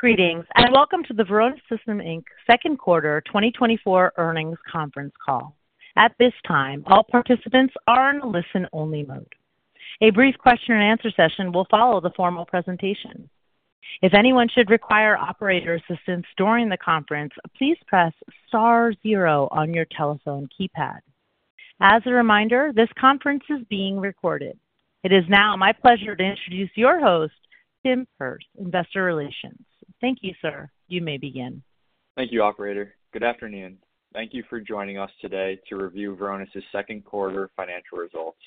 Greetings, and welcome to the Varonis Systems Inc. Second Quarter 2024 earnings conference call. At this time, all participants are in listen-only mode. A brief question-and-answer session will follow the formal presentation. If anyone should require operator assistance during the conference, please press star zero on your telephone keypad. As a reminder, this conference is being recorded. It is now my pleasure to introduce your host, Tim Perz, Investor Relations. Thank you, sir. You may begin. Thank you, Operator. Good afternoon. Thank you for joining us today to review Varonis's second quarter financial results.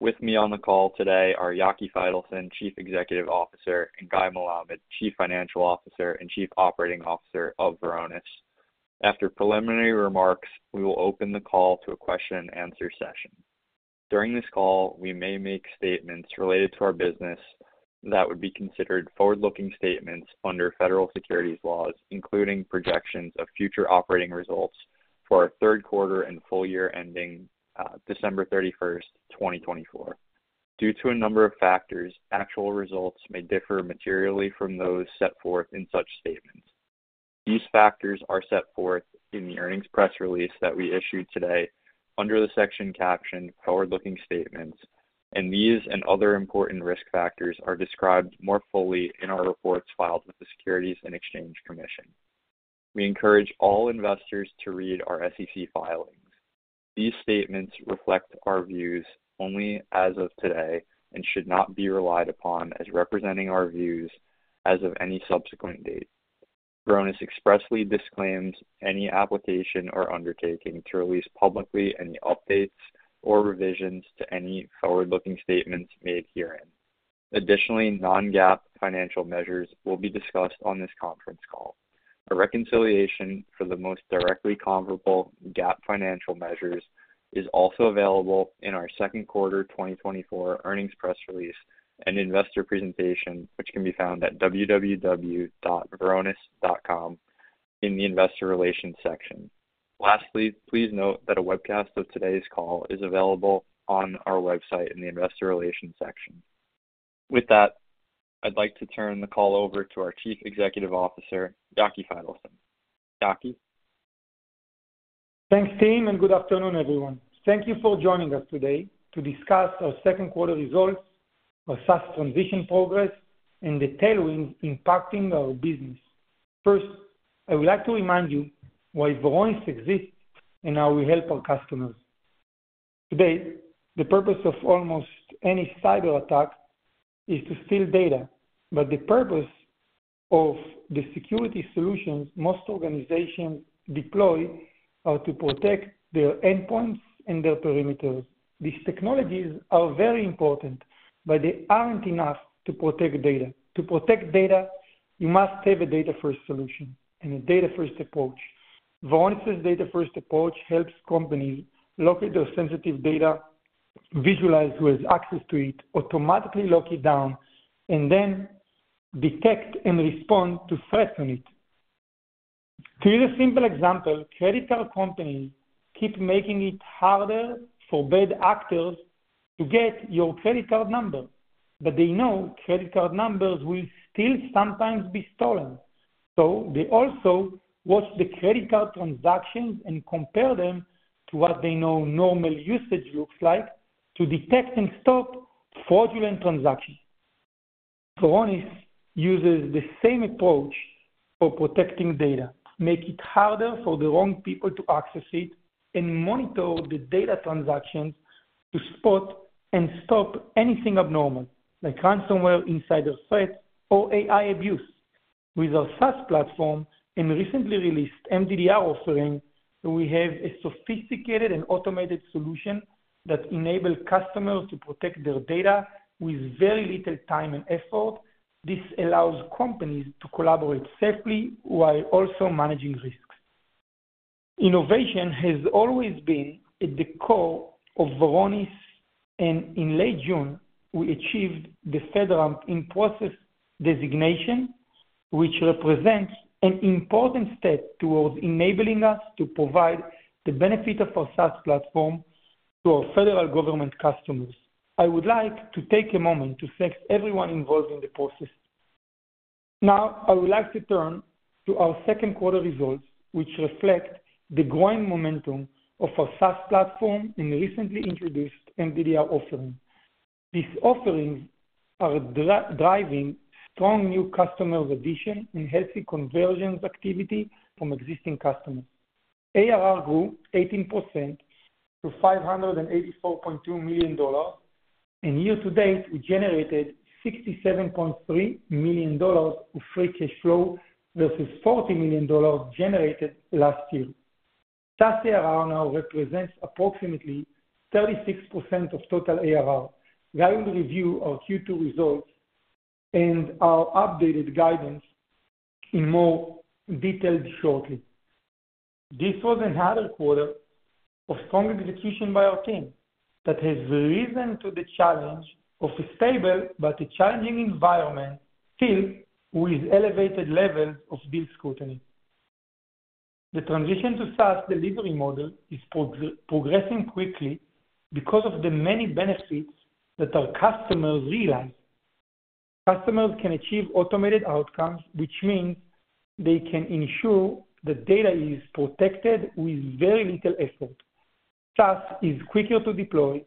With me on the call today are Yaki Faitelson, Chief Executive Officer, and Guy Melamed, Chief Financial Officer and Chief Operating Officer of Varonis. After preliminary remarks, we will open the call to a question-and-answer session. During this call, we may make statements related to our business that would be considered forward-looking statements under federal securities laws, including projections of future operating results for our third quarter and full year ending December 31st, 2024. Due to a number of factors, actual results may differ materially from those set forth in such statements. These factors are set forth in the earnings press release that we issued today under the section captioned "Forward-looking Statements," and these and other important risk factors are described more fully in our reports filed with the Securities and Exchange Commission. We encourage all investors to read our SEC filings. These statements reflect our views only as of today and should not be relied upon as representing our views as of any subsequent date. Varonis expressly disclaims any application or undertaking to release publicly any updates or revisions to any forward-looking statements made herein. Additionally, non-GAAP financial measures will be discussed on this conference call. A reconciliation for the most directly comparable GAAP financial measures is also available in our second quarter 2024 earnings press release and investor presentation, which can be found at www.varonis.com in the Investor Relations section. Lastly, please note that a webcast of today's call is available on our website in the Investor Relations section. With that, I'd like to turn the call over to our Chief Executive Officer, Yaki Faitelson. Yaki? Thanks, Tim, and good afternoon, everyone. Thank you for joining us today to discuss our second quarter results, our SaaS transition progress, and the tailwinds impacting our business. First, I would like to remind you why Varonis exists and how we help our customers. Today, the purpose of almost any cyber attack is to steal data, but the purpose of the security solutions most organizations deploy are to protect their endpoints and their perimeters. These technologies are very important, but they aren't enough to protect data. To protect data, you must have a data-first solution and a data-first approach. Varonis's data-first approach helps companies locate their sensitive data, visualize who has access to it, automatically lock it down, and then detect and respond to threats on it. To use a simple example, credit card companies keep making it harder for bad actors to get your credit card number, but they know credit card numbers will still sometimes be stolen. So they also watch the credit card transactions and compare them to what they know normal usage looks like to detect and stop fraudulent transactions. Varonis uses the same approach for protecting data, making it harder for the wrong people to access it, and monitor the data transactions to spot and stop anything abnormal, like ransomware, insider threats, or AI abuse. With our SaaS platform and recently released MDDR offering, we have a sophisticated and automated solution that enables customers to protect their data with very little time and effort. This allows companies to collaborate safely while also managing risks. Innovation has always been at the core of Varonis, and in late June, we achieved the FedRAMP In Process designation, which represents an important step towards enabling us to provide the benefit of our SaaS platform to our federal government customers. I would like to take a moment to thank everyone involved in the process. Now, I would like to turn to our second quarter results, which reflect the growing momentum of our SaaS platform and the recently introduced MDDR offering. These offerings are driving strong new customer acquisition and healthy conversion activity from existing customers. ARR grew 18% to $584.2 million, and year to date, we generated $67.3 million of free cash flow versus $40 million generated last year. SaaS ARR now represents approximately 36% of total ARR. I will review our Q2 results and our updated guidance in more detail shortly. This was another quarter of strong execution by our team that has risen to the challenge of a stable but challenging environment filled with elevated levels of deal scrutiny. The transition to SaaS delivery model is progressing quickly because of the many benefits that our customers realize. Customers can achieve automated outcomes, which means they can ensure that data is protected with very little effort. SaaS is quicker to deploy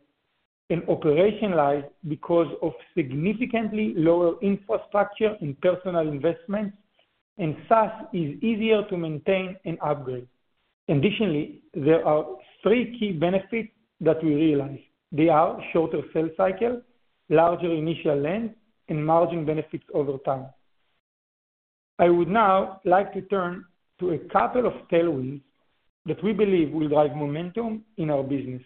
and operationalize because of significantly lower infrastructure and personnel investments, and SaaS is easier to maintain and upgrade. Additionally, there are three key benefits that we realize. They are shorter sales cycles, larger initial length, and margin benefits over time. I would now like to turn to a couple of tailwinds that we believe will drive momentum in our business.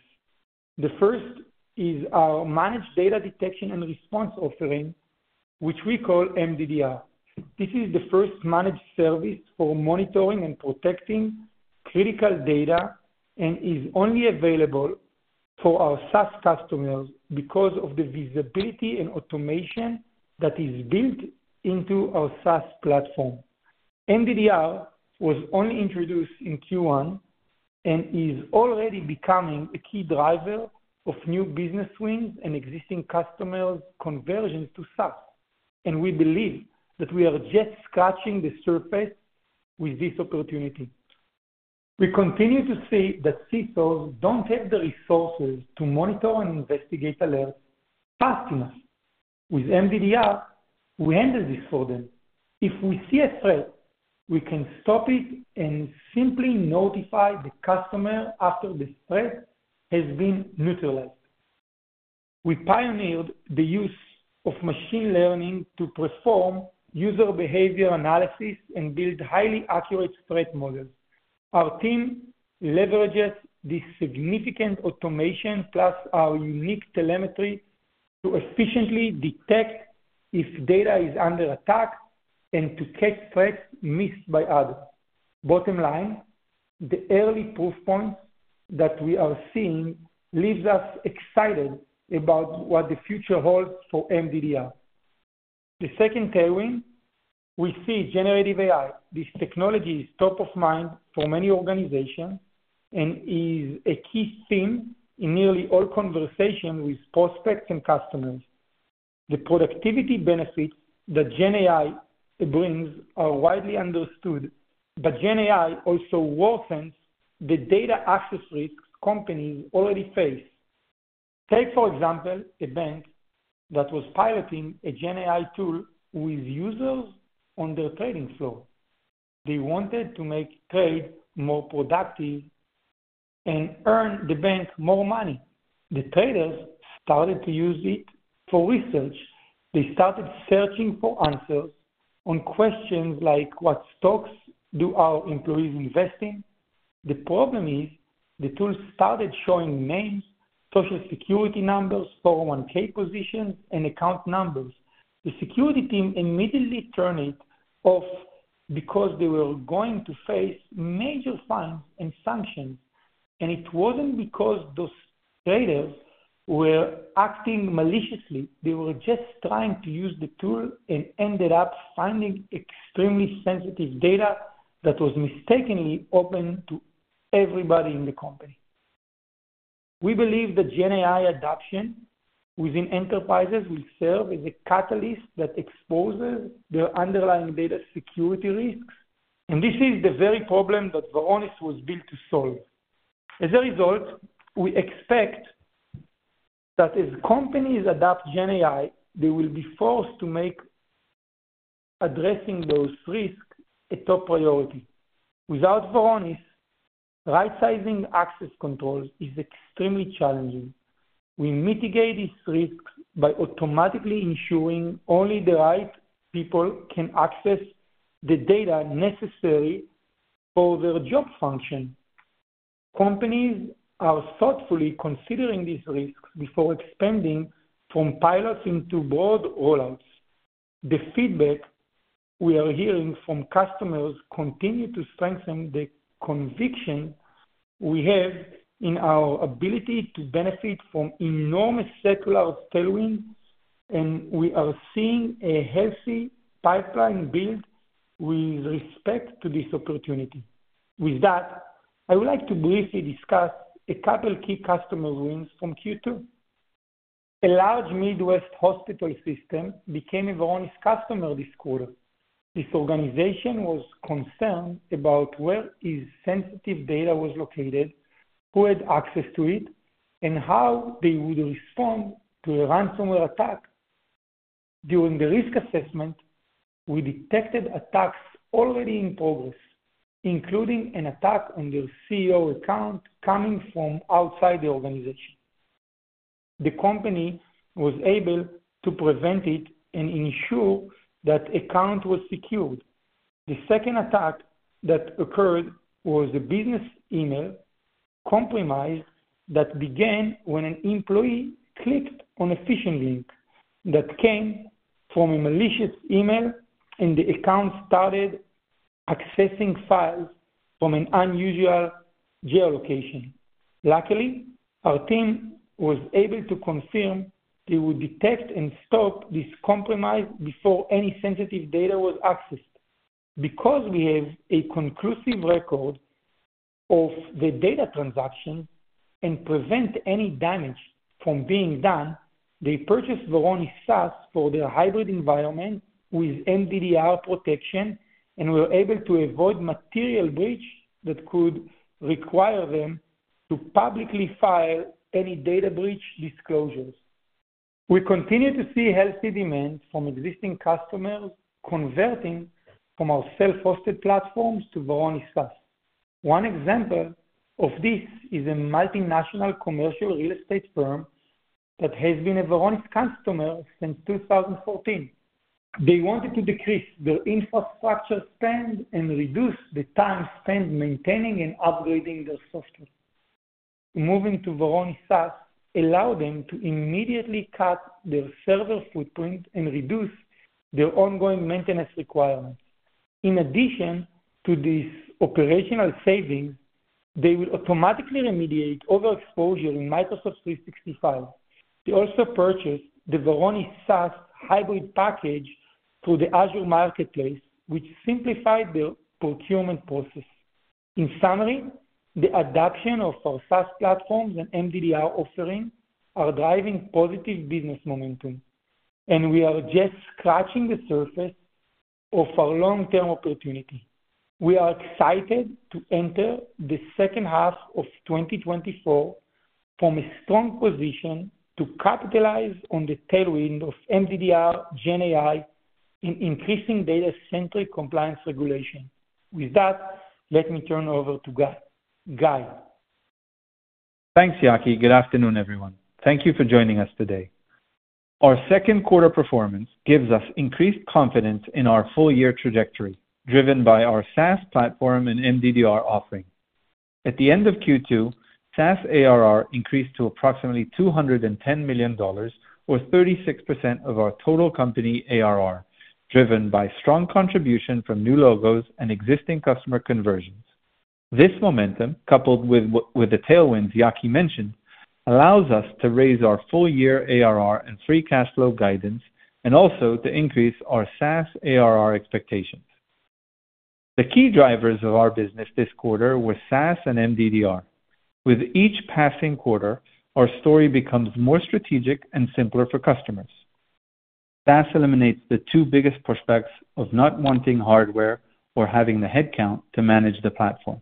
The first is our managed data detection and response offering, which we call MDDR. This is the first managed service for monitoring and protecting critical data and is only available for our SaaS customers because of the visibility and automation that is built into our SaaS platform. MDDR was only introduced in Q1 and is already becoming a key driver of new business wins and existing customers' conversions to SaaS, and we believe that we are just scratching the surface with this opportunity. We continue to see that CISOs don't have the resources to monitor and investigate alerts fast enough. With MDDR, we handle this for them. If we see a threat, we can stop it and simply notify the customer after the threat has been neutralized. We pioneered the use of machine learning to perform user behavior analysis and build highly accurate threat models. Our team leverages this significant automation plus our unique telemetry to efficiently detect if data is under attack and to catch threats missed by others. Bottom line, the early proof points that we are seeing leave us excited about what the future holds for MDDR. The second tailwind we see, generative AI. This technology is top of mind for many organizations and is a key theme in nearly all conversations with prospects and customers. The productivity benefits that Gen AI brings are widely understood, but Gen AI also worsens the data access risks companies already face. Take, for example, a bank that was piloting a Gen AI tool with users on their trading floor. They wanted to make trades more productive and earn the bank more money. The traders started to use it for research. They started searching for answers on questions like what stocks do our employees invest in. The problem is the tool started showing names, Social Security numbers, 401(k) positions, and account numbers. The security team immediately turned it off because they were going to face major fines and sanctions, and it wasn't because those traders were acting maliciously. They were just trying to use the tool and ended up finding extremely sensitive data that was mistakenly open to everybody in the company. We believe that Gen AI adoption within enterprises will serve as a catalyst that exposes the underlying data security risks, and this is the very problem that Varonis was built to solve. As a result, we expect that as companies adopt Gen AI, they will be forced to make addressing those risks a top priority. Without Varonis, right-sizing access control is extremely challenging. We mitigate these risks by automatically ensuring only the right people can access the data necessary for their job function. Companies are thoughtfully considering these risks before expanding from pilots into broad rollouts. The feedback we are hearing from customers continues to strengthen the conviction we have in our ability to benefit from enormous circular tailwinds, and we are seeing a healthy pipeline build with respect to this opportunity. With that, I would like to briefly discuss a couple of key customer wins from Q2. A large Midwest hospital system became a Varonis customer this quarter. This organization was concerned about where sensitive data was located, who had access to it, and how they would respond to a ransomware attack. During the risk assessment, we detected attacks already in progress, including an attack on their CEO account coming from outside the organization. The company was able to prevent it and ensure that the account was secured. The second attack that occurred was a business email compromise that began when an employee clicked on a phishing link that came from a malicious email, and the account started accessing files from an unusual geolocation. Luckily, our team was able to confirm they would detect and stop this compromise before any sensitive data was accessed. Because we have a conclusive record of the data transaction and prevent any damage from being done, they purchased Varonis SaaS for their hybrid environment with MDDR protection and were able to avoid material breaches that could require them to publicly file any data breach disclosures. We continue to see healthy demand from existing customers converting from our self-hosted platforms to Varonis SaaS. One example of this is a multinational commercial real estate firm that has been a Varonis customer since 2014. They wanted to decrease their infrastructure spend and reduce the time spent maintaining and upgrading their software. Moving to Varonis SaaS allowed them to immediately cut their server footprint and reduce their ongoing maintenance requirements. In addition to these operational savings, they will automatically remediate overexposure in Microsoft 365. They also purchased the Varonis SaaS hybrid package through the Azure Marketplace, which simplified their procurement process. In summary, the adoption of our SaaS platforms and MDDR offering are driving positive business momentum, and we are just scratching the surface of our long-term opportunity. We are excited to enter the second half of 2024 from a strong position to capitalize on the tailwind of MDDR, Gen AI, and increasing data-centric compliance regulation. With that, let me turn over to Guy. Thanks, Yaki. Good afternoon, everyone. Thank you for joining us today. Our second quarter performance gives us increased confidence in our full-year trajectory driven by our SaaS platform and MDDR offering. At the end of Q2, SaaS ARR increased to approximately $210 million, or 36% of our total company ARR, driven by strong contribution from new logos and existing customer conversions. This momentum, coupled with the tailwinds Yaki mentioned, allows us to raise our full-year ARR and free cash flow guidance and also to increase our SaaS ARR expectations. The key drivers of our business this quarter were SaaS and MDDR. With each passing quarter, our story becomes more strategic and simpler for customers. SaaS eliminates the two biggest prospects of not wanting hardware or having the headcount to manage the platform.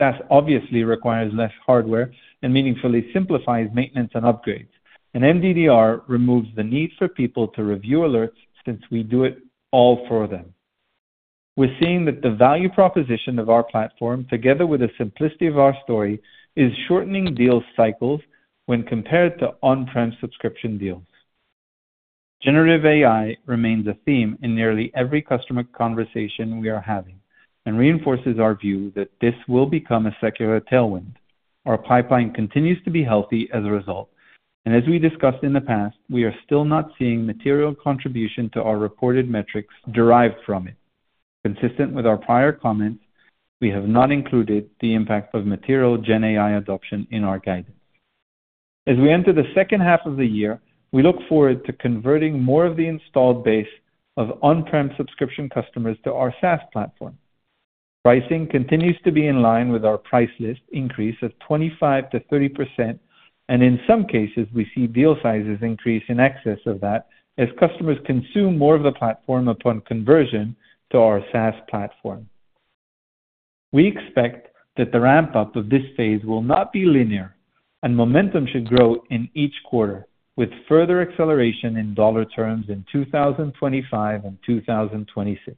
SaaS obviously requires less hardware and meaningfully simplifies maintenance and upgrades, and MDDR removes the need for people to review alerts since we do it all for them. We're seeing that the value proposition of our platform, together with the simplicity of our story, is shortening deal cycles when compared to on-prem subscription deals. Generative AI remains a theme in nearly every customer conversation we are having and reinforces our view that this will become a secular tailwind. Our pipeline continues to be healthy as a result, and as we discussed in the past, we are still not seeing material contribution to our reported metrics derived from it. Consistent with our prior comments, we have not included the impact of material Gen AI adoption in our guidance. As we enter the second half of the year, we look forward to converting more of the installed base of on-prem subscription customers to our SaaS platform. Pricing continues to be in line with our price list increase of 25%-30%, and in some cases, we see deal sizes increase in excess of that as customers consume more of the platform upon conversion to our SaaS platform. We expect that the ramp-up of this phase will not be linear, and momentum should grow in each quarter with further acceleration in dollar terms in 2025 and 2026.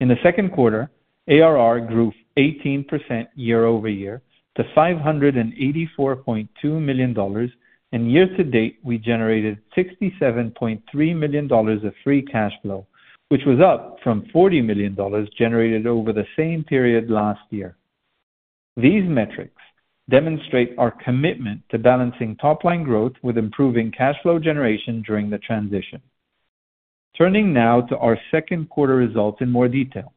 In the second quarter, ARR grew 18% year over year to $584.2 million, and year to date, we generated $67.3 million of free cash flow, which was up from $40 million generated over the same period last year. These metrics demonstrate our commitment to balancing top-line growth with improving cash flow generation during the transition. Turning now to our second quarter results in more detail.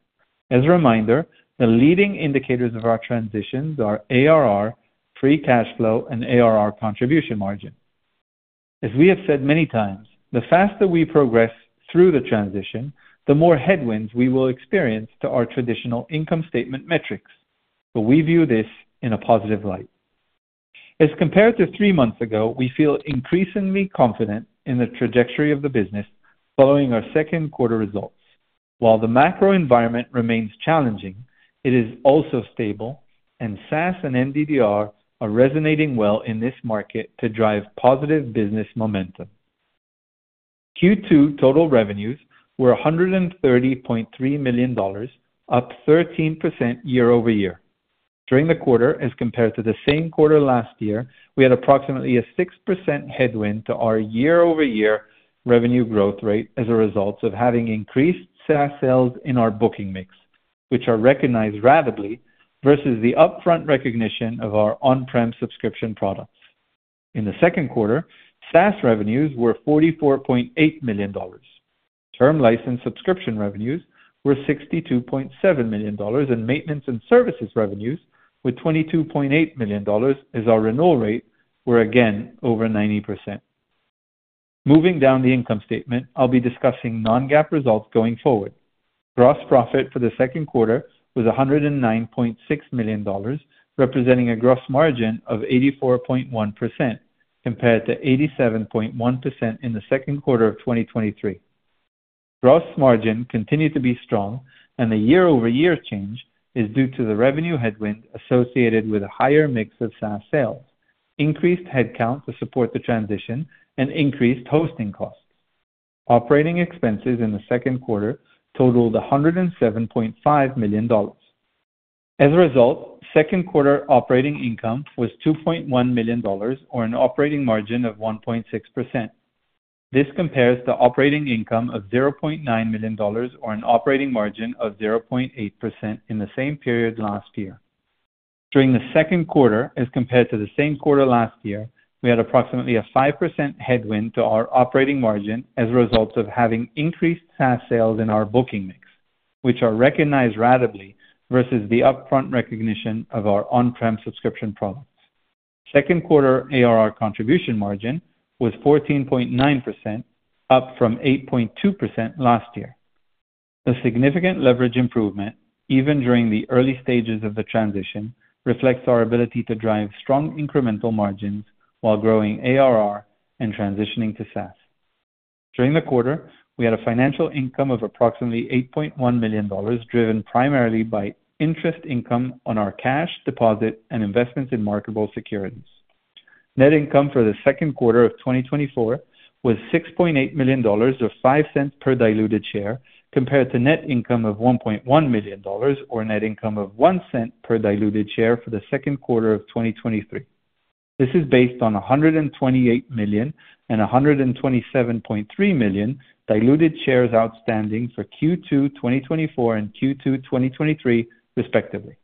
As a reminder, the leading indicators of our transition are ARR, free cash flow, and ARR contribution margin. As we have said many times, the faster we progress through the transition, the more headwinds we will experience to our traditional income statement metrics, but we view this in a positive light. As compared to three months ago, we feel increasingly confident in the trajectory of the business following our second quarter results. While the macro environment remains challenging, it is also stable, and SaaS and MDDR are resonating well in this market to drive positive business momentum. Q2 total revenues were $130.3 million, up 13% year-over-year. During the quarter, as compared to the same quarter last year, we had approximately a 6% headwind to our year-over-year revenue growth rate as a result of having increased SaaS sales in our booking mix, which are recognized ratably versus the upfront recognition of our on-prem subscription products. In the second quarter, SaaS revenues were $44.8 million. Term license subscription revenues were $62.7 million, and maintenance and services revenues were $22.8 million, as our renewal rates were again over 90%. Moving down the income statement, I'll be discussing non-GAAP results going forward. Gross profit for the second quarter was $109.6 million, representing a gross margin of 84.1% compared to 87.1% in the second quarter of 2023. Gross margin continued to be strong, and the year-over-year change is due to the revenue headwind associated with a higher mix of SaaS sales, increased headcount to support the transition, and increased hosting costs. Operating expenses in the second quarter totaled $107.5 million. As a result, second quarter operating income was $2.1 million, or an operating margin of 1.6%. This compares to operating income of $0.9 million, or an operating margin of 0.8% in the same period last year. During the second quarter, as compared to the same quarter last year, we had approximately a 5% headwind to our operating margin as a result of having increased SaaS sales in our booking mix, which are recognized ratably versus the upfront recognition of our on-prem subscription products. Second quarter ARR contribution margin was 14.9%, up from 8.2% last year. The significant leverage improvement, even during the early stages of the transition, reflects our ability to drive strong incremental margins while growing ARR and transitioning to SaaS. During the quarter, we had a financial income of approximately $8.1 million, driven primarily by interest income on our cash deposits and investments in marketable securities. Net income for the second quarter of 2024 was $6.8 million, or $0.05 per diluted share, compared to net income of $1.1 million, or net income of $0.01 per diluted share for the second quarter of 2023. This is based on 128 million and 127.3 million diluted shares outstanding for Q2 2024 and Q2 2023, respectively.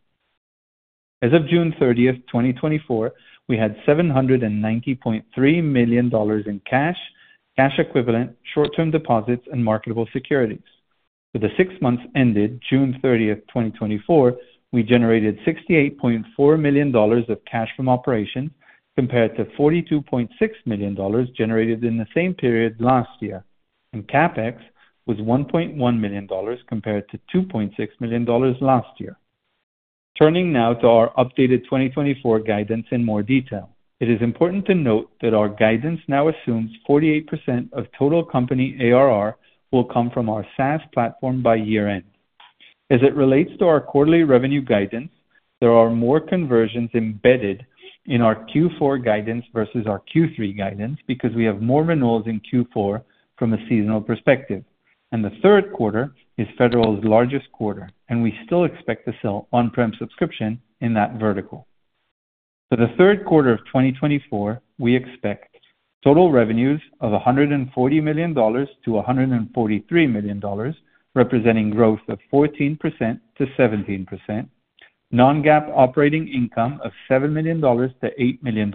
As of June 30, 2024, we had $790.3 million in cash, cash equivalents, short-term deposits, and marketable securities. For the six months ended June 30, 2024, we generated $68.4 million of cash from operations compared to $42.6 million generated in the same period last year, and CapEx was $1.1 million compared to $2.6 million last year. Turning now to our updated 2024 guidance in more detail, it is important to note that our guidance now assumes 48% of total company ARR will come from our SaaS platform by year-end. As it relates to our quarterly revenue guidance, there are more conversions embedded in our Q4 guidance versus our Q3 guidance because we have more renewals in Q4 from a seasonal perspective, and the third quarter is federal's largest quarter, and we still expect to sell on-prem subscription in that vertical. For the third quarter of 2024, we expect total revenues of $140 million-$143 million, representing growth of 14%-17%, non-GAAP operating income of $7 million-$8 million,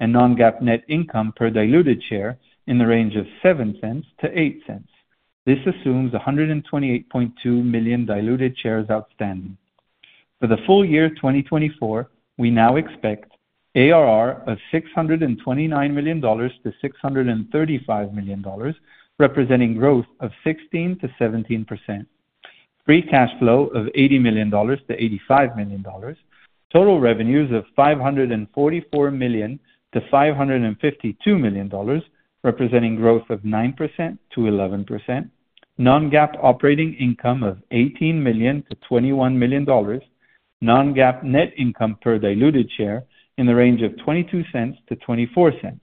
and non-GAAP net income per diluted share in the range of $0.07-$0.08. This assumes 128.2 million diluted shares outstanding. For the full year 2024, we now expect ARR of $629 million-$635 million, representing growth of 16%-17%, free cash flow of $80 million-$85 million, total revenues of $544 million-$552 million, representing growth of 9%-11%, non-GAAP operating income of $18 million-$21 million, non-GAAP net income per diluted share in the range of $0.22-$0.24.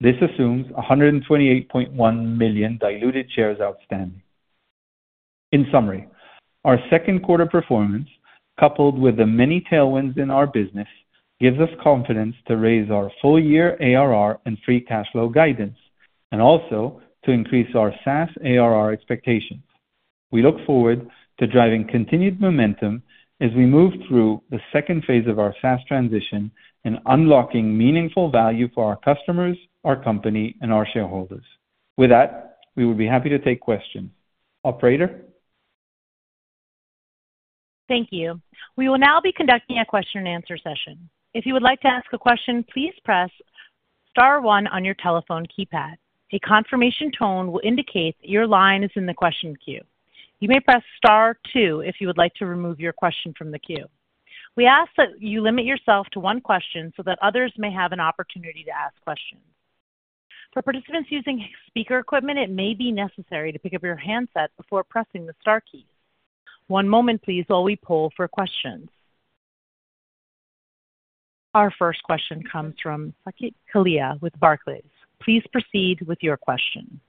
This assumes 128.1 million diluted shares outstanding. In summary, our second quarter performance, coupled with the many tailwinds in our business, gives us confidence to raise our full-year ARR and free cash flow guidance and also to increase our SaaS ARR expectations. We look forward to driving continued momentum as we move through the second phase of our SaaS transition and unlocking meaningful value for our customers, our company, and our shareholders. With that, we would be happy to take questions. Operator? Thank you. We will now be conducting a question-and-answer session. If you would like to ask a question, please press Star 1 on your telephone keypad. A confirmation tone will indicate your line is in the question queue. You may press Star 2 if you would like to remove your question from the queue. We ask that you limit yourself to one question so that others may have an opportunity to ask questions. For participants using speaker equipment, it may be necessary to pick up your handset before pressing the Star keys. One moment, please, while we pull for questions. Our first question comes from Saket Kalia with Barclays. Please proceed with your question.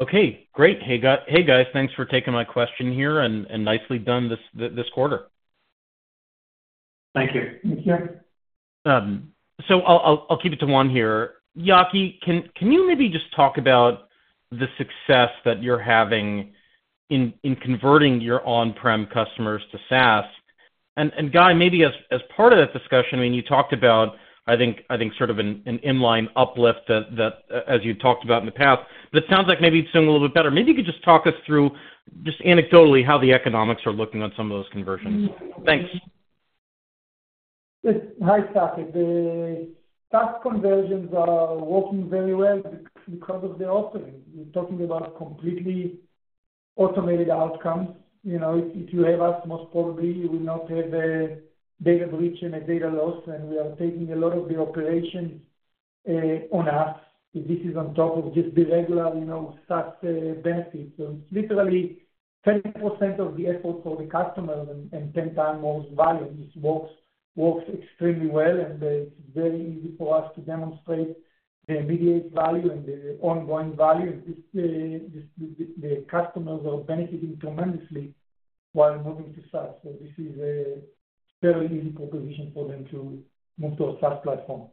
Okay. Great. Hey, guys. Thanks for taking my question here and nicely done this quarter. Thank you. Thank you. So I'll keep it to one here. Yaki, can you maybe just talk about the success that you're having in converting your on-prem customers to SaaS? And Guy, maybe as part of that discussion, I mean, you talked about, I think, sort of an inline uplift that, as you've talked about in the past, but it sounds like maybe it's doing a little bit better. Maybe you could just talk us through, just anecdotally, how the economics are looking on some of those conversions. Thanks. Hi, Saket. The SaaS conversions are working very well because of the offering. We're talking about completely automated outcomes. If you have us, most probably you will not have a data breach and a data loss, and we are taking a lot of the operations on us. This is on top of just the regular SaaS benefits. So it's literally 10% of the effort for the customer and 10 times more value. This works extremely well, and it's very easy for us to demonstrate the immediate value and the ongoing value. The customers are benefiting tremendously while moving to SaaS. So this is a fairly easy proposition for them to move to a SaaS platform.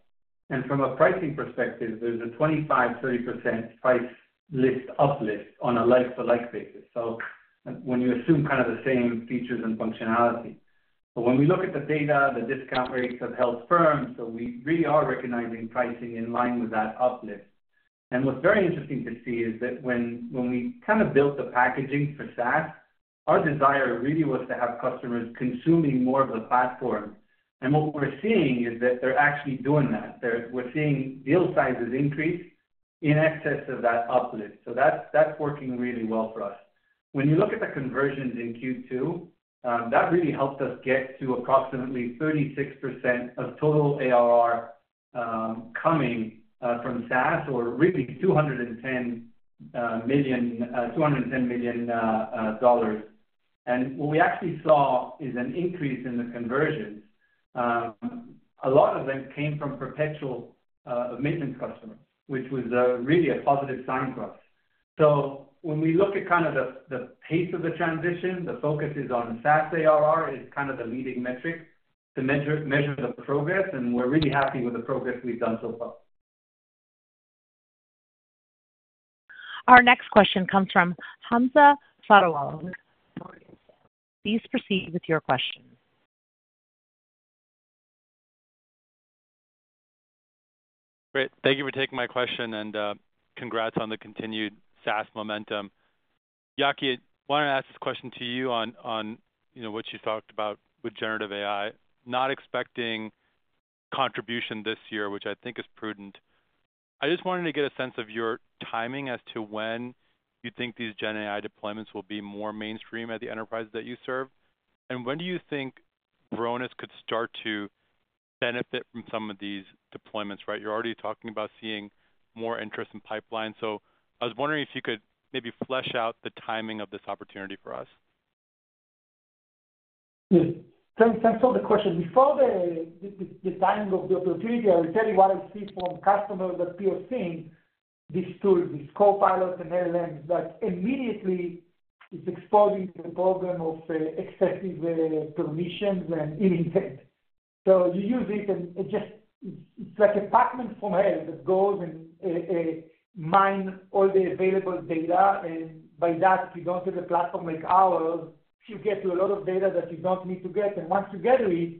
And from a pricing perspective, there's a 25%-30% price uplift on a like-for-like basis. So when you assume kind of the same features and functionality. But when we look at the data, the discount rates have held firm, so we really are recognizing pricing in line with that uplift. And what's very interesting to see is that when we kind of built the packaging for SaaS, our desire really was to have customers consuming more of the platform. And what we're seeing is that they're actually doing that. We're seeing deal sizes increase in excess of that uplift. So that's working really well for us. When you look at the conversions in Q2, that really helped us get to approximately 36% of total ARR coming from SaaS, or really $210 million. And what we actually saw is an increase in the conversions. A lot of them came from perpetual maintenance customers, which was really a positive sign for us. So when we look at kind of the pace of the transition, the focus is on SaaS ARR as kind of the leading metric to measure the progress, and we're really happy with the progress we've done so far. Our next question comes from Hamza Fodderwala. Please proceed with your question. Great. Thank you for taking my question, and congrats on the continued SaaS momentum. Yaki, I wanted to ask this question to you on what you talked about with generative AI. Not expecting contribution this year, which I think is prudent. I just wanted to get a sense of your timing as to when you think these Gen AI deployments will be more mainstream at the enterprises that you serve. And when do you think Varonis could start to benefit from some of these deployments? You're already talking about seeing more interest in pipelines. So I was wondering if you could maybe flesh out the timing of this opportunity for us. Thanks for the question. Before the timing of the opportunity, I'll tell you what I see from customers that we are seeing this tool, this Copilot and LLMs, that immediately is exposing the problem of excessive permissions and identity. So you use it, and it's like a Pac-Man from hell that goes and mines all the available data. By that, if you don't have a platform like ours, you get a lot of data that you don't need to get. And once you get it,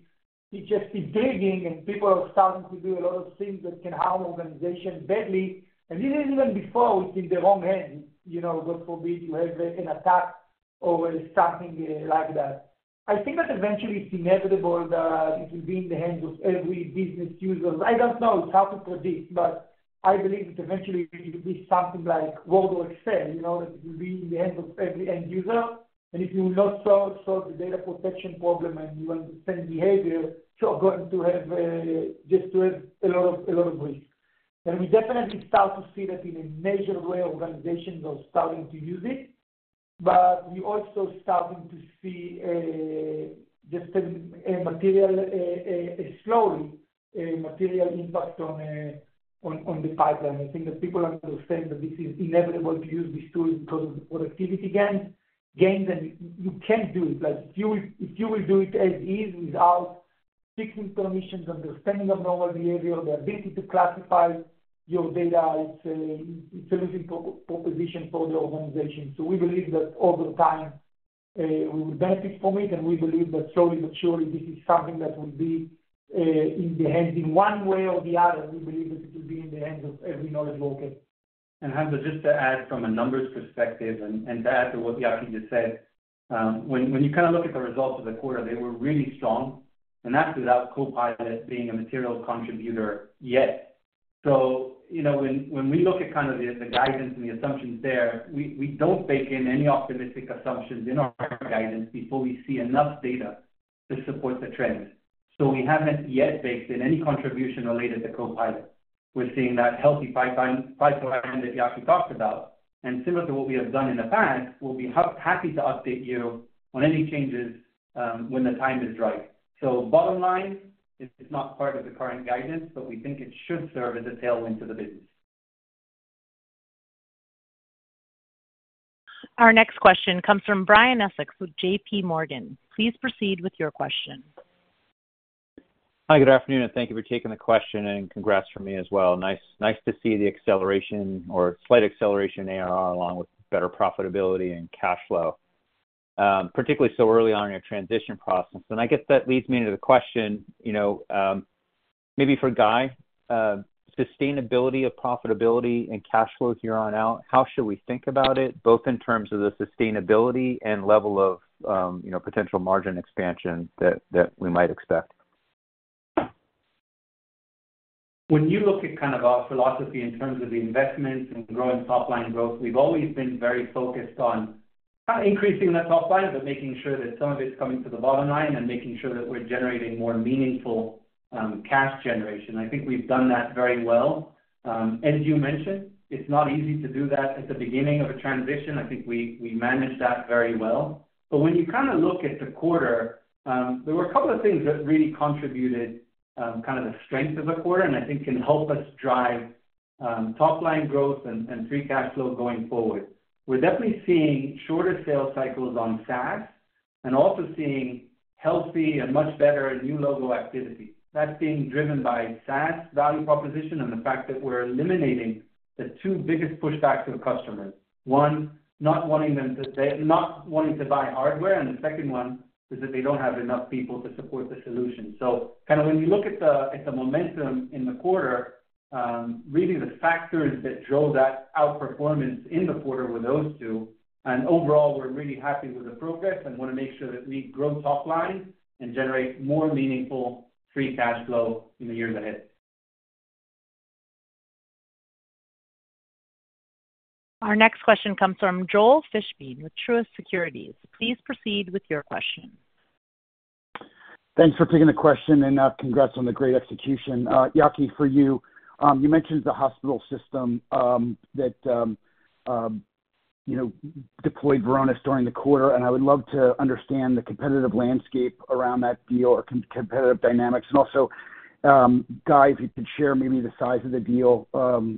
it just keeps digging, and people are starting to do a lot of things that can harm organizations badly. And this is even before it's in the wrong hands. God forbid you have an attack or something like that. I think that eventually it's inevitable that it will be in the hands of every business user. I don't know. It's hard to predict, but I believe it eventually will be something like Word or Excel, that it will be in the hands of every end user. And if you will not solve the data protection problem and you understand behavior, you're going to have just a lot of risk. We definitely start to see that in a measured way organizations are starting to use it, but we're also starting to see just a slowly material impact on the pipeline. I think that people understand that this is inevitable to use these tools because of the productivity gains, and you can't do it. If you will do it as is without fixing permissions, understanding abnormal behavior, the ability to classify your data, it's a losing proposition for the organization. So we believe that over time we will benefit from it, and we believe that slowly but surely this is something that will be in the hands in one way or the other. We believe that it will be in the hands of every knowledge worker. Hamza, just to add from a numbers perspective, and to add to what Yaki just said, when you kind of look at the results of the quarter, they were really strong. That's without Copilot being a material contributor yet. When we look at kind of the guidance and the assumptions there, we don't bake in any optimistic assumptions in our guidance before we see enough data to support the trend. We haven't yet baked in any contribution related to Copilot. We're seeing that healthy pipeline that Yaki talked about. Similar to what we have done in the past, we'll be happy to update you on any changes when the time is right. Bottom line, it's not part of the current guidance, but we think it should serve as a tailwind to the business. Our next question comes from Brian Essex with JPMorgan. Please proceed with your question. Hi, good afternoon, and thank you for taking the question, and congrats from me as well. Nice to see the acceleration or slight acceleration in ARR along with better profitability and cash flow, particularly so early on in your transition process. And I guess that leads me into the question. Maybe for Guy, sustainability of profitability and cash flow here on out, how should we think about it, both in terms of the sustainability and level of potential margin expansion that we might expect? When you look at kind of our philosophy in terms of the investments and growing top-line growth, we've always been very focused on not increasing the top line, but making sure that some of it's coming to the bottom line and making sure that we're generating more meaningful cash generation. I think we've done that very well. As you mentioned, it's not easy to do that at the beginning of a transition. I think we manage that very well. But when you kind of look at the quarter, there were a couple of things that really contributed kind of the strength of the quarter and I think can help us drive top-line growth and free cash flow going forward. We're definitely seeing shorter sales cycles on SaaS and also seeing healthy and much better new logo activity. That's being driven by SaaS value proposition and the fact that we're eliminating the two biggest pushbacks of customers. One, not wanting to buy hardware, and the second one is that they don't have enough people to support the solution. So kind of when you look at the momentum in the quarter, really the factors that drove that outperformance in the quarter were those two. Overall, we're really happy with the progress and want to make sure that we grow top line and generate more meaningful free cash flow in the years ahead. Our next question comes from Joel Fishbein with Truist Securities. Please proceed with your question. Thanks for taking the question, and congrats on the great execution. Yaki, for you, you mentioned the hospital system that deployed Varonis during the quarter, and I would love to understand the competitive landscape around that deal or competitive dynamics. And also, Guy, if you could share maybe the size of the deal,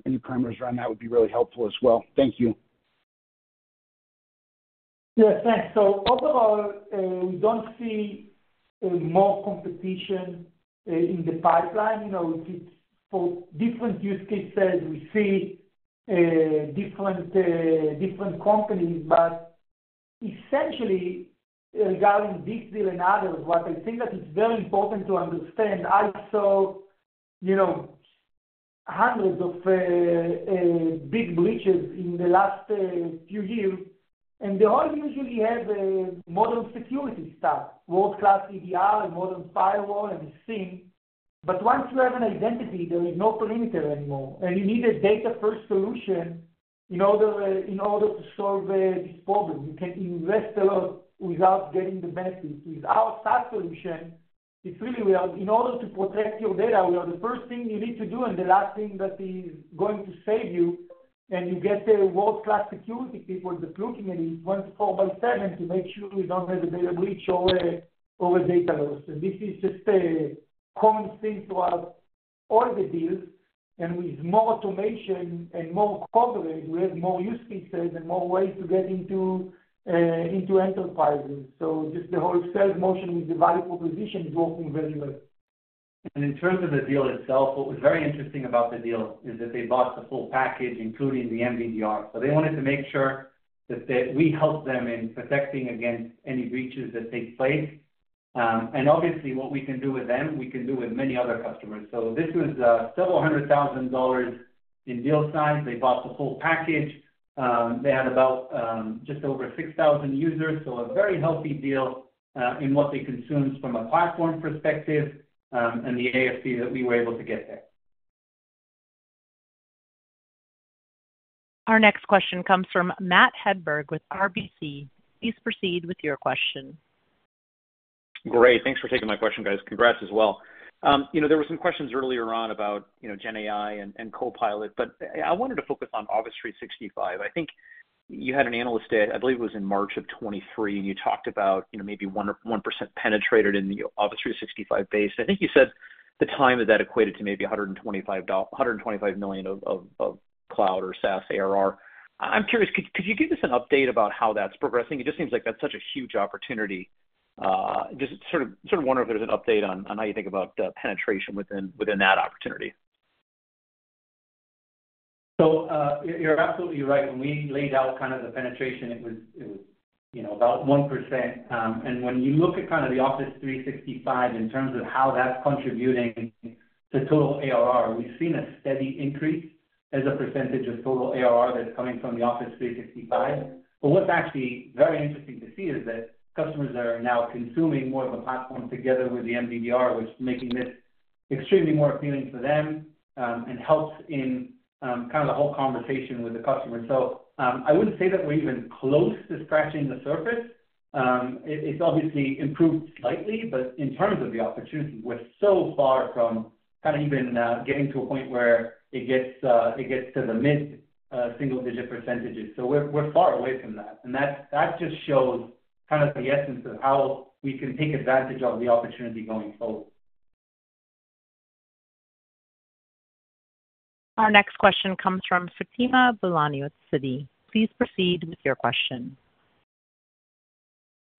any parameters around that would be really helpful as well. Thank you. Yes, thanks. Overall, we don't see more competition in the pipeline. For different use cases, we see different companies, but essentially, regarding this deal and others, what I think that it's very important to understand: I saw hundreds of big breaches in the last few years. And they all usually have modern security stuff, world-class EDR and modern firewall and SIEM. But once you have an identity, there is no perimeter anymore. And you need a data-first solution in order to solve this problem. You can invest a lot without getting the benefits. With our SaaS solution, it's really we are, in order to protect your data, we are the first thing you need to do and the last thing that is going to save you. And you get the world-class security people that looking at it 24/7 to make sure you don't have a data breach or a data loss. This is just a common thing throughout all the deals. With more automation and more coverage, we have more use cases and more ways to get into enterprises. Just the whole sales motion with the value proposition is working very well. In terms of the deal itself, what was very interesting about the deal is that they bought the full package, including the MDDR. They wanted to make sure that we helped them in protecting against any breaches that take place. Obviously, what we can do with them, we can do with many other customers. This was $several hundred thousand in deal size. They bought the full package. They had about just over 6,000 users. A very healthy deal in what they consumed from a platform perspective and the ASP that we were able to get there. Our next question comes from Matt Hedberg with RBC. Please proceed with your question. Great. Thanks for taking my question, guys. Congrats as well. There were some questions earlier on about Gen AI and Copilot, but I wanted to focus on Office 365. I think you had an analyst, I believe it was in March of 2023, and you talked about maybe 1% penetrated in the Office 365 base. I think you said the time of that equated to maybe $125 million of cloud or SaaS ARR. I'm curious, could you give us an update about how that's progressing? It just seems like that's such a huge opportunity. Just sort of wondering if there's an update on how you think about penetration within that opportunity. So you're absolutely right. When we laid out kind of the penetration, it was about 1%. When you look at kind of the Office 365 in terms of how that's contributing to total ARR, we've seen a steady increase as a percentage of total ARR that's coming from the Office 365. What's actually very interesting to see is that customers are now consuming more of the platform together with the MDDR, which is making this extremely more appealing for them and helps in kind of the whole conversation with the customer. I wouldn't say that we're even close to scratching the surface. It's obviously improved slightly, but in terms of the opportunity, we're so far from kind of even getting to a point where it gets to the mid-single-digit percentages. We're far away from that. That just shows kind of the essence of how we can take advantage of the opportunity going forward. Our next question comes from Fatima Boolani with Citi. Please proceed with your question.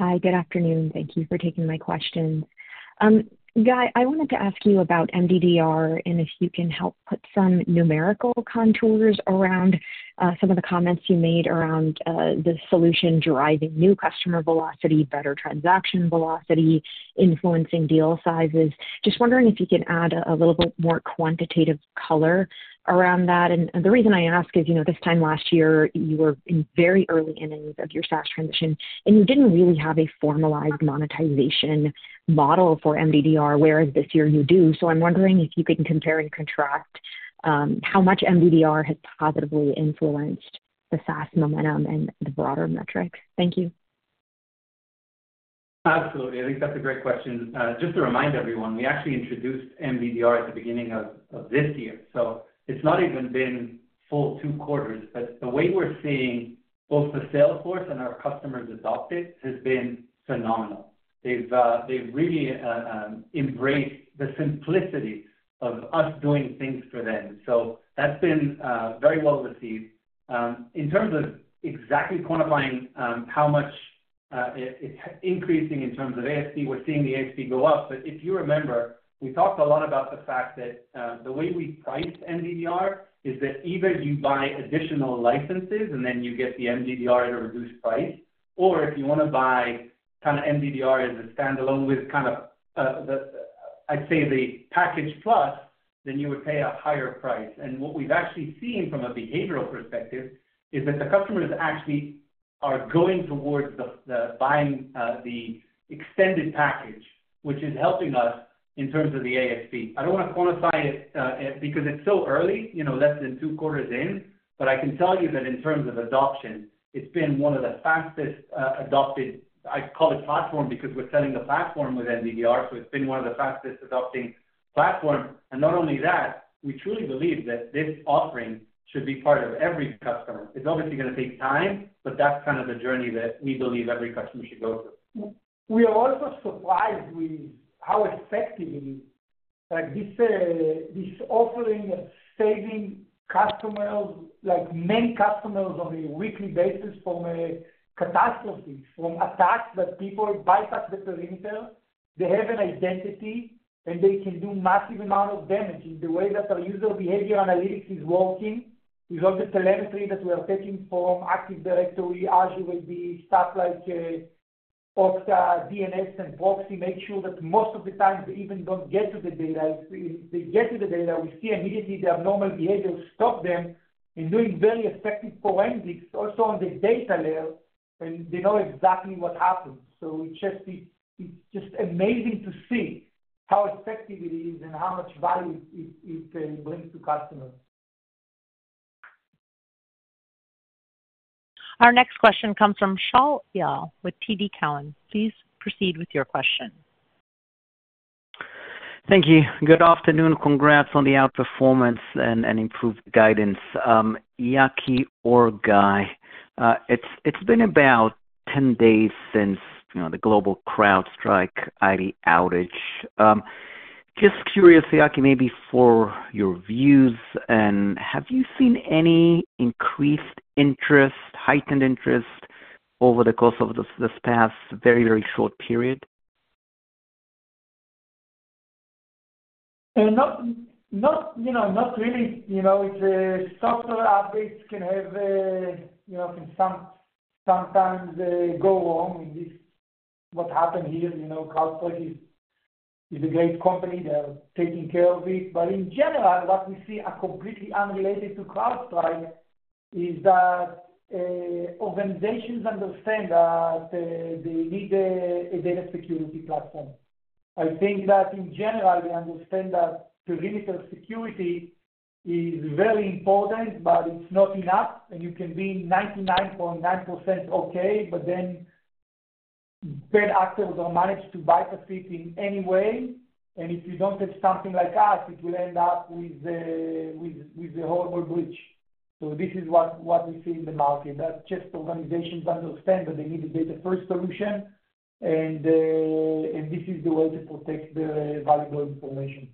Hi, good afternoon. Thank you for taking my questions. Guy, I wanted to ask you about MDDR and if you can help put some numerical contours around some of the comments you made around the solution driving new customer velocity, better transaction velocity, influencing deal sizes. Just wondering if you can add a little bit more quantitative color around that. And the reason I ask is this time last year, you were in very early innings of your SaaS transition, and you didn't really have a formalized monetization model for MDDR, whereas this year you do. So I'm wondering if you can compare and contrast how much MDDR has positively influenced the SaaS momentum and the broader metrics. Thank you. Absolutely. I think that's a great question. Just to remind everyone, we actually introduced MDDR at the beginning of this year. So it's not even been full two quarters, but the way we're seeing both the salesforce and our customers adopt it has been phenomenal. They've really embraced the simplicity of us doing things for them. So that's been very well received. In terms of exactly quantifying how much it's increasing in terms of ASP, we're seeing the ASP go up. But if you remember, we talked a lot about the fact that the way we price MDDR is that either you buy additional licenses and then you get the MDDR at a reduced price, or if you want to buy kind of MDDR as a standalone with kind of, I'd say, the package plus, then you would pay a higher price. What we've actually seen from a behavioral perspective is that the customers actually are going towards buying the extended package, which is helping us in terms of the ASP. I don't want to quantify it because it's so early, less than two quarters in, but I can tell you that in terms of adoption, it's been one of the fastest adopted. I call it platform because we're selling the platform with MDDR, so it's been one of the fastest adopting platforms. And not only that, we truly believe that this offering should be part of every customer. It's obviously going to take time, but that's kind of the journey that we believe every customer should go through. We are also surprised with how effectively this offering of saving customers, like main customers on a weekly basis from a catastrophe, from attacks that people bypass the perimeter, they have an identity, and they can do massive amount of damage in the way that our user behavior analytics is working with all the telemetry that we are taking from Active Directory, Azure AD, stuff like Okta, DNS, and proxy, make sure that most of the time they even don't get to the data. If they get to the data, we see immediately the abnormal behavior, stop them, and doing very effective forensics also on the data layer, and they know exactly what happened. So it's just amazing to see how effective it is and how much value it brings to customers. Our next question comes from Shaul Eyal with TD Cowen. Please proceed with your question. Thank you. Good afternoon. Congrats on the outperformance and improved guidance. Yaki or Guy, it's been about 10 days since the global CrowdStrike IT outage. Just curious, Yaki, maybe for your views, have you seen any increased interest, heightened interest over the course of this past very, very short period? Not really. Software updates can have sometimes go wrong in what happened here. CrowdStrike is a great company. They're taking care of it. But in general, what we see are completely unrelated to CrowdStrike is that organizations understand that they need a data security platform. I think that in general, they understand that perimeter security is very important, but it's not enough. And you can be 99.9% okay, but then bad actors are managed to bypass it in any way. And if you don't have something like us, it will end up with a horrible breach. So this is what we see in the market. That's just organizations understand that they need a data-first solution, and this is the way to protect the valuable information.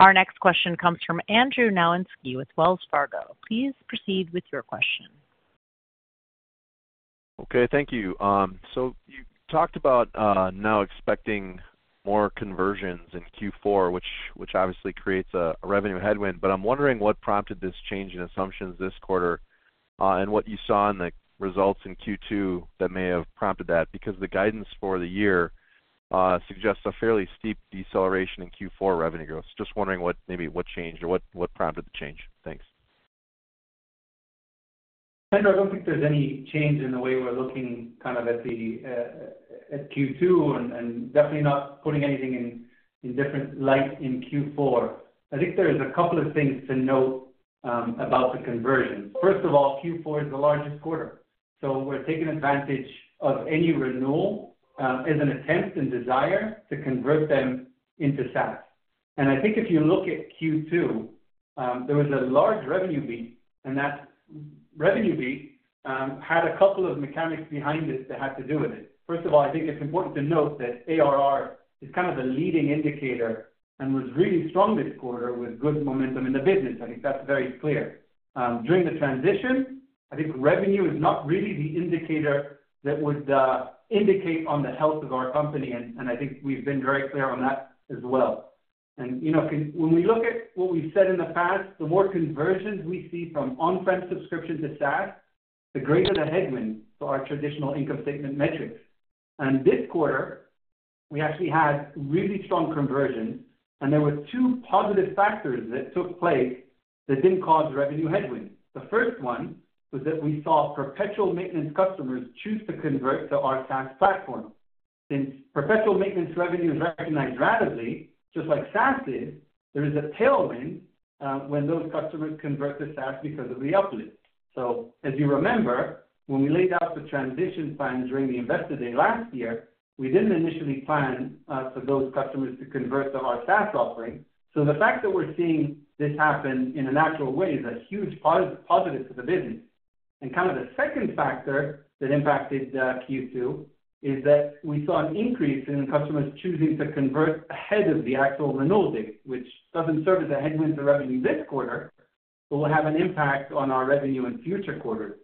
Our next question comes from Andrew Nowinski with Wells Fargo. Please proceed with your question. Okay. Thank you. So you talked about now expecting more conversions in Q4, which obviously creates a revenue headwind. But I'm wondering what prompted this change in assumptions this quarter and what you saw in the results in Q2 that may have prompted that because the guidance for the year suggests a fairly steep deceleration in Q4 revenue growth. Just wondering maybe what changed or what prompted the change. Thanks. I don't think there's any change in the way we're looking kind of at Q2 and definitely not putting anything in different light in Q4. I think there's a couple of things to note about the conversions. First of all, Q4 is the largest quarter. So we're taking advantage of any renewal as an attempt and desire to convert them into SaaS. And I think if you look at Q2, there was a large revenue beat, and that revenue beat had a couple of mechanics behind it that had to do with it. First of all, I think it's important to note that ARR is kind of the leading indicator and was really strong this quarter with good momentum in the business. I think that's very clear. During the transition, I think revenue is not really the indicator that would indicate on the health of our company. And I think we've been very clear on that as well. When we look at what we said in the past, the more conversions we see from on-prem subscription to SaaS, the greater the headwind for our traditional income statement metrics. This quarter, we actually had really strong conversions, and there were two positive factors that took place that didn't cause revenue headwind. The first one was that we saw perpetual maintenance customers choose to convert to our SaaS platform. Since perpetual maintenance revenue is recognized rapidly, just like SaaS is, there is a tailwind when those customers convert to SaaS because of the uplift. As you remember, when we laid out the transition plan during the Investor Day last year, we didn't initially plan for those customers to convert to our SaaS offering. The fact that we're seeing this happen in a natural way is a huge positive for the business. And kind of the second factor that impacted Q2 is that we saw an increase in customers choosing to convert ahead of the actual renewal date, which doesn't serve as a headwind to revenue this quarter, but will have an impact on our revenue in future quarters.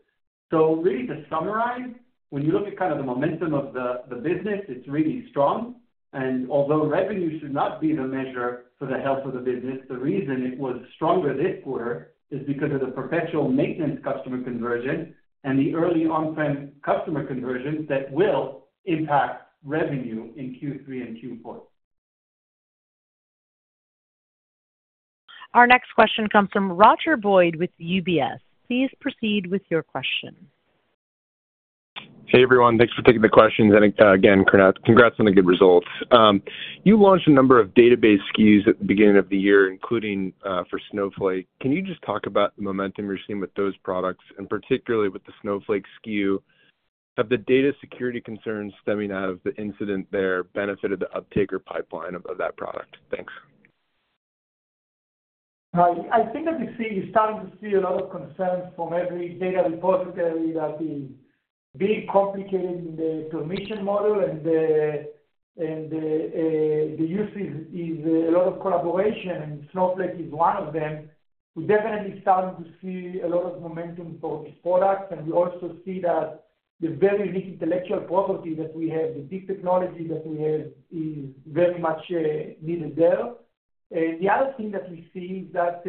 So really, to summarize, when you look at kind of the momentum of the business, it's really strong. And although revenue should not be the measure for the health of the business, the reason it was stronger this quarter is because of the perpetual maintenance customer conversion and the early on-prem customer conversions that will impact revenue in Q3 and Q4. Our next question comes from Roger Boyd with UBS. Please proceed with your question. Hey, everyone. Thanks for taking the questions. And again, congrats on the good results. You launched a number of database SKUs at the beginning of the year, including for Snowflake. Can you just talk about the momentum you're seeing with those products, and particularly with the Snowflake SKU, have the data security concerns stemming out of the incident there benefited the uptake or pipeline of that product? Thanks. I think that we're starting to see a lot of concerns from every data repository that is being complicated in the permission model, and the use is a lot of collaboration, and Snowflake is one of them. We're definitely starting to see a lot of momentum for these products, and we also see that the very unique intellectual property that we have, the deep technology that we have, is very much needed there. The other thing that we see is that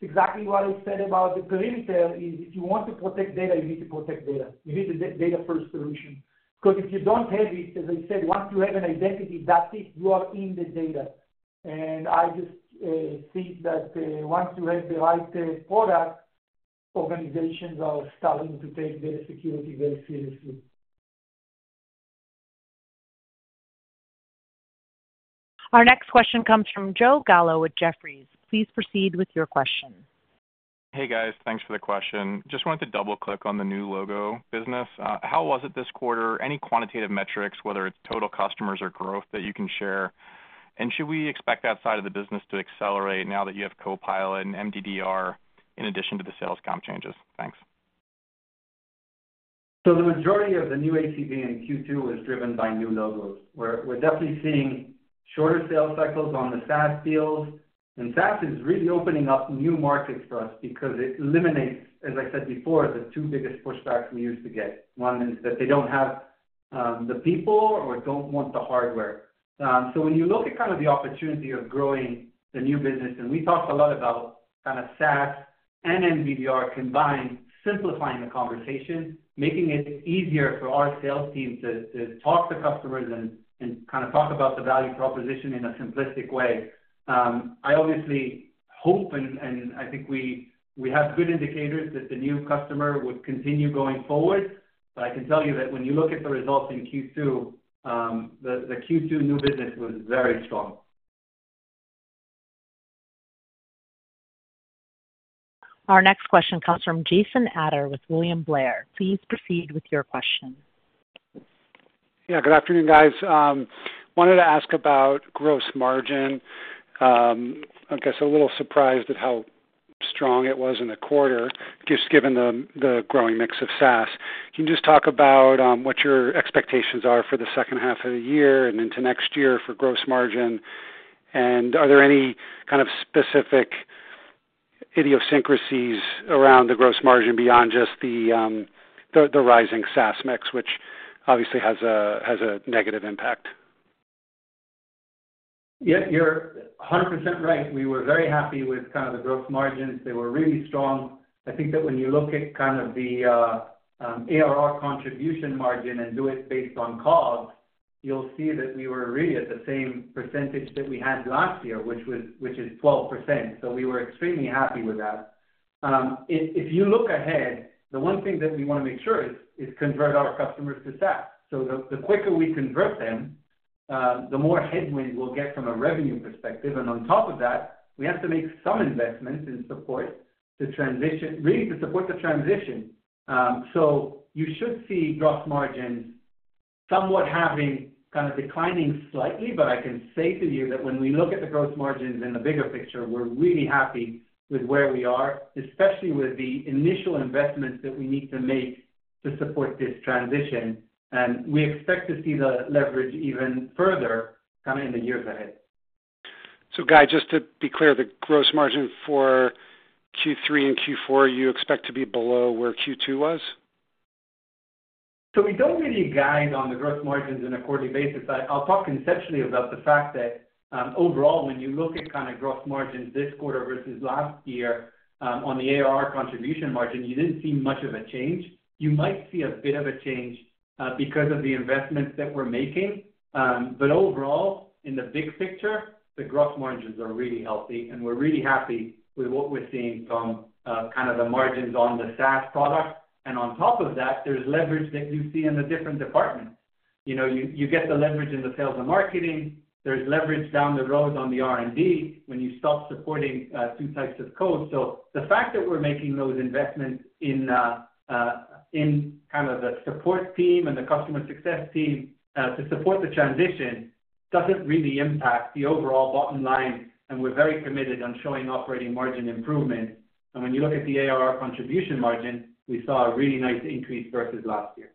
exactly what I said about the perimeter is if you want to protect data, you need to protect data. You need a data-first solution. Because if you don't have it, as I said, once you have an identity, that's it. You are in the data. And I just think that once you have the right product, organizations are starting to take data security very seriously. Our next question comes from Joe Gallo with Jefferies. Please proceed with your question. Hey, guys. Thanks for the question. Just wanted to double-click on the new logo business. How was it this quarter? Any quantitative metrics, whether it's total customers or growth that you can share? And should we expect that side of the business to accelerate now that you have Copilot and MDDR in addition to the sales comp changes? Thanks. The majority of the new ACV in Q2 was driven by new logos. We're definitely seeing shorter sales cycles on the SaaS fields. SaaS is really opening up new markets for us because it eliminates, as I said before, the two biggest pushbacks we used to get. One is that they don't have the people or don't want the hardware. So when you look at kind of the opportunity of growing the new business, and we talked a lot about kind of SaaS and MDDR combined, simplifying the conversation, making it easier for our sales team to talk to customers and kind of talk about the value proposition in a simplistic way. I obviously hope, and I think we have good indicators that the new customer would continue going forward. But I can tell you that when you look at the results in Q2, the Q2 new business was very strong. Our next question comes from Jason Ader with William Blair. Please proceed with your question. Yeah. Good afternoon, guys. Wanted to ask about gross margin. I guess a little surprised at how strong it was in the quarter, just given the growing mix of SaaS. Can you just talk about what your expectations are for the second half of the year and into next year for gross margin? And are there any kind of specific idiosyncrasies around the gross margin beyond just the rising SaaS mix, which obviously has a negative impact? Yep. You're 100% right. We were very happy with kind of the gross margins. They were really strong. I think that when you look at kind of the ARR contribution margin and do it based on cost, you'll see that we were really at the same percentage that we had last year, which is 12%. So we were extremely happy with that. If you look ahead, the one thing that we want to make sure is convert our customers to SaaS. So the quicker we convert them, the more headwind we'll get from a revenue perspective. And on top of that, we have to make some investments in support to transition, really to support the transition. So you should see gross margins somewhat having kind of declining slightly, but I can say to you that when we look at the gross margins in the bigger picture, we're really happy with where we are, especially with the initial investments that we need to make to support this transition. We expect to see the leverage even further kind of in the years ahead. So Guy, just to be clear, the gross margin for Q3 and Q4, you expect to be below where Q2 was? So we don't really guide on the gross margins on a quarterly basis. I'll talk conceptually about the fact that overall, when you look at kind of gross margins this quarter versus last year on the ARR contribution margin, you didn't see much of a change. You might see a bit of a change because of the investments that we're making. But overall, in the big picture, the gross margins are really healthy, and we're really happy with what we're seeing from kind of the margins on the SaaS product. And on top of that, there's leverage that you see in the different departments. You get the leverage in the sales and marketing. There's leverage down the road on the R&D when you stop supporting two types of code. So the fact that we're making those investments in kind of the support team and the customer success team to support the transition doesn't really impact the overall bottom line. And we're very committed on showing operating margin improvements. And when you look at the ARR contribution margin, we saw a really nice increase versus last year.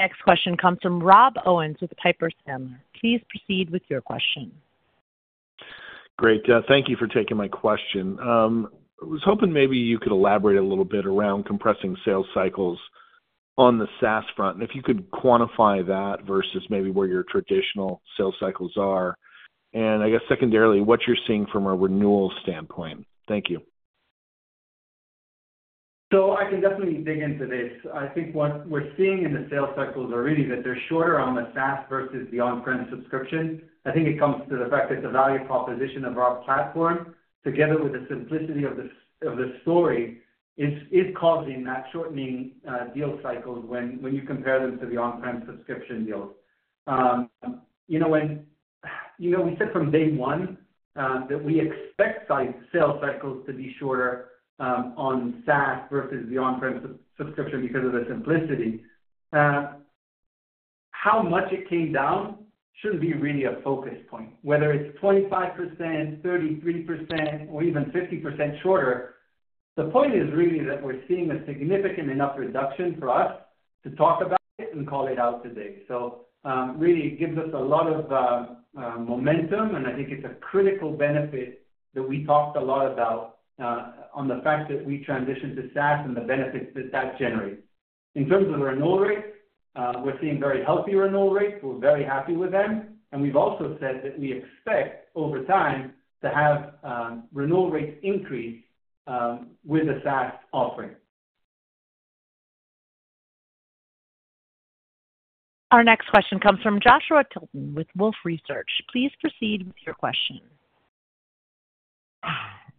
Next question comes from Rob Owens with Piper Sandler. Please proceed with your question. Great. Thank you for taking my question. I was hoping maybe you could elaborate a little bit around compressing sales cycles on the SaaS front. And if you could quantify that versus maybe where your traditional sales cycles are. And I guess secondarily, what you're seeing from a renewal standpoint. Thank you. So I can definitely dig into this. I think what we're seeing in the sales cycles are really that they're shorter on the SaaS versus the on-prem subscription. I think it comes to the fact that the value proposition of our platform, together with the simplicity of the story, is causing that shortening deal cycles when you compare them to the on-prem subscription deals. We said from day one that we expect sales cycles to be shorter on SaaS versus the on-prem subscription because of the simplicity. How much it came down shouldn't be really a focus point. Whether it's 25%, 33%, or even 50% shorter, the point is really that we're seeing a significant enough reduction for us to talk about it and call it out today. So really, it gives us a lot of momentum, and I think it's a critical benefit that we talked a lot about the fact that we transitioned to SaaS and the benefits that that generates. In terms of renewal rates, we're seeing very healthy renewal rates. We're very happy with them. And we've also said that we expect over time to have renewal rates increase with the SaaS offering. Our next question comes from Joshua Tilton with Wolfe Research. Please proceed with your question.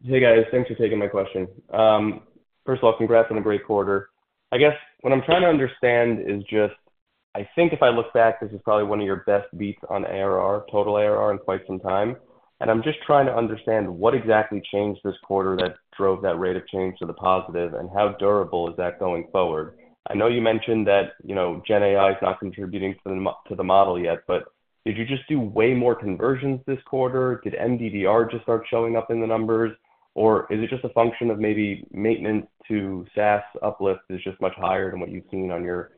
Hey, guys. Thanks for taking my question. First of all, congrats on a great quarter. I guess what I'm trying to understand is just, I think if I look back, this is probably one of your best beats on ARR, total ARR in quite some time. I'm just trying to understand what exactly changed this quarter that drove that rate of change to the positive, and how durable is that going forward? I know you mentioned that GenAI is not contributing to the model yet, but did you just do way more conversions this quarter? Did MDDR just start showing up in the numbers? Or is it just a function of maybe maintenance to SaaS uplift is just much higher than what you've seen on your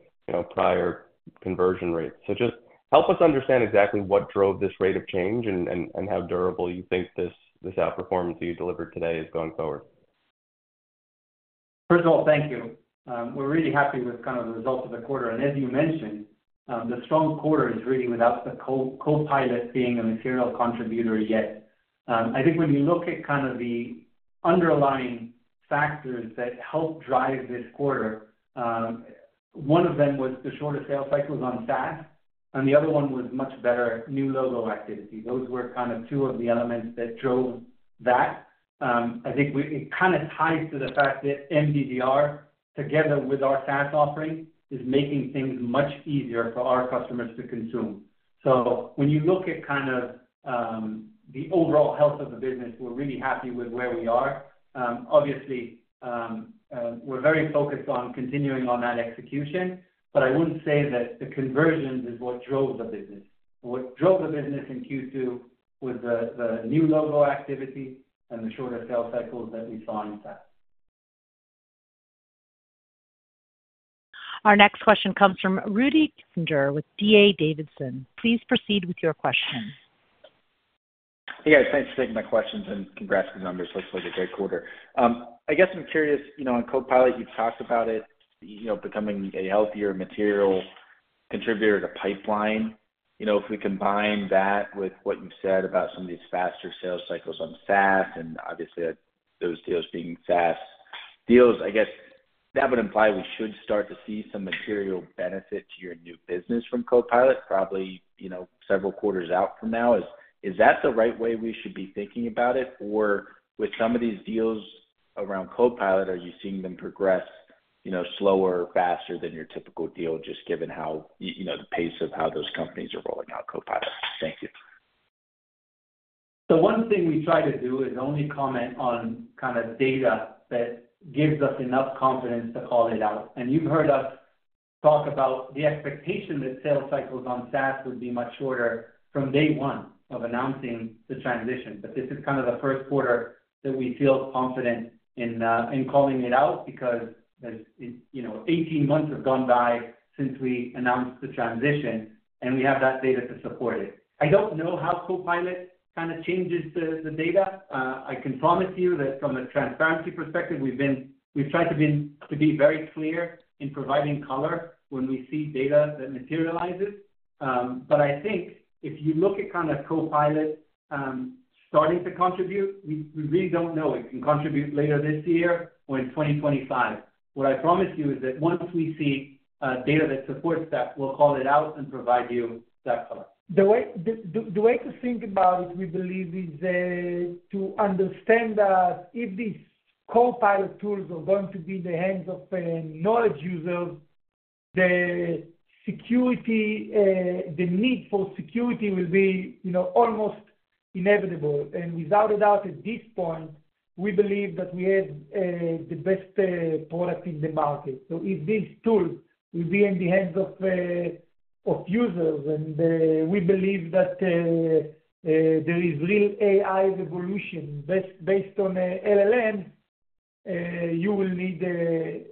prior conversion rates? So just help us understand exactly what drove this rate of change and how durable you think this outperformance that you delivered today is going forward. First of all, thank you. We're really happy with kind of the results of the quarter. As you mentioned, the strong quarter is really without the Copilot being a material contributor yet. I think when you look at kind of the underlying factors that helped drive this quarter, one of them was the shorter sales cycles on SaaS, and the other one was much better new logo activity. Those were kind of two of the elements that drove that. I think it kind of ties to the fact that MDDR, together with our SaaS offering, is making things much easier for our customers to consume. So when you look at kind of the overall health of the business, we're really happy with where we are. Obviously, we're very focused on continuing on that execution, but I wouldn't say that the conversions is what drove the business. What drove the business in Q2 was the new logo activity and the shorter sales cycles that we saw in SaaS. Our next question comes from Rudy Kessinger with D.A. Davidson. Please proceed with your question. Hey, guys. Thanks for taking my questions, and congrats on the numbers. Looks like a great quarter. I guess I'm curious, on Copilot, you've talked about it becoming a healthier material contributor to pipeline. If we combine that with what you've said about some of these faster sales cycles on SaaS and obviously those deals being SaaS deals, I guess that would imply we should start to see some material benefit to your new business from Copilot, probably several quarters out from now. Is that the right way we should be thinking about it? Or with some of these deals around Copilot, are you seeing them progress slower, faster than your typical deal, just given the pace of how those companies are rolling out Copilot? Thank you. So one thing we try to do is only comment on kind of data that gives us enough confidence to call it out. You've heard us talk about the expectation that sales cycles on SaaS would be much shorter from day one of announcing the transition. But this is kind of the first quarter that we feel confident in calling it out because 18 months have gone by since we announced the transition, and we have that data to support it. I don't know how Copilot kind of changes the data. I can promise you that from a transparency perspective, we've tried to be very clear in providing color when we see data that materializes. But I think if you look at kind of Copilot starting to contribute, we really don't know. It can contribute later this year or in 2025. What I promise you is that once we see data that supports that, we'll call it out and provide you that color. The way to think about it, we believe, is to understand that if these Copilot tools are going to be in the hands of knowledge users, the need for security will be almost inevitable. And without a doubt, at this point, we believe that we have the best product in the market. So if these tools will be in the hands of users, and we believe that there is real AI evolution based on LLMs, you will need a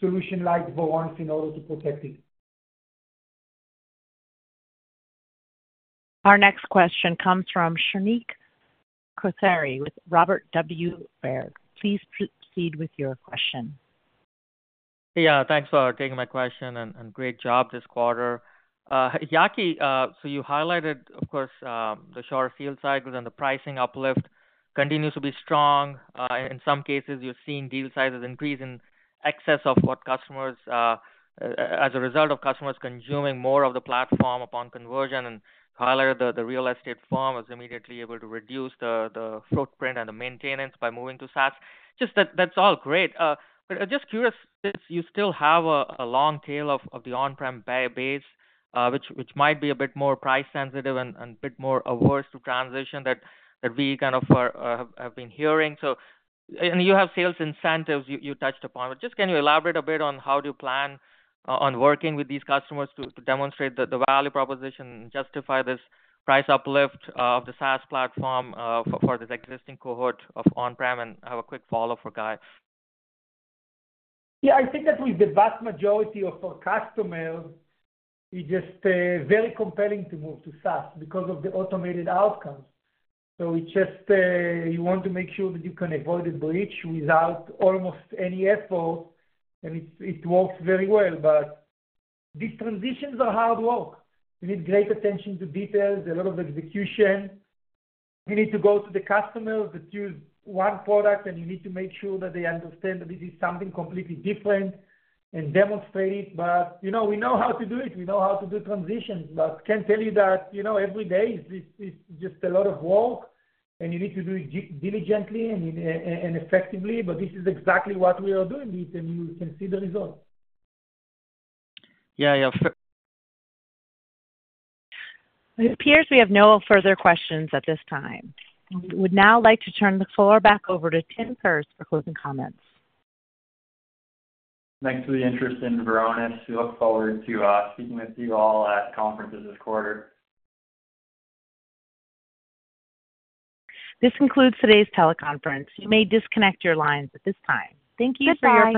solution like Varonis in order to protect it. Our next question comes from Shrenik Kothari with Robert W. Baird. Please proceed with your question. Hey, thanks for taking my question, and great job this quarter. Yaki, so you highlighted, of course, the shorter sales cycles and the pricing uplift continues to be strong. In some cases, you're seeing deal sizes increase in excess of what customers, as a result of customers consuming more of the platform upon conversion, and highlighted the real estate firm was immediately able to reduce the footprint and the maintenance by moving to SaaS. Just, that's all great. But I'm just curious if you still have a long tail of the on-prem base, which might be a bit more price-sensitive and a bit more averse to transition that we kind of have been hearing. So you have sales incentives you touched upon. But just can you elaborate a bit on how do you plan on working with these customers to demonstrate the value proposition and justify this price uplift of the SaaS platform for this existing cohort of on-prem and have a quick follow-up for Guy? Yeah. I think that with the vast majority of our customers, it's just very compelling to move to SaaS because of the automated outcomes. So you want to make sure that you can avoid a breach without almost any effort, and it works very well. But these transitions are hard work. You need great attention to details, a lot of execution. You need to go to the customers that use one product, and you need to make sure that they understand that this is something completely different and demonstrate it. But we know how to do it. We know how to do transitions, but I can tell you that every day is just a lot of work, and you need to do it diligently and effectively. But this is exactly what we are doing, and you can see the results. Yeah, yeah. It appears we have no further questions at this time. We would now like to turn the floor back over to Tim Perz for closing comments. Thanks for the interest in Varonis. We look forward to speaking with you all at conferences this quarter. This concludes today's teleconference. You may disconnect your lines at this time. Thank you for your.